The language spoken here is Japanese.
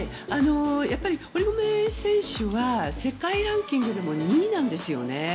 堀米選手は世界ランキングでも２位なんですよね。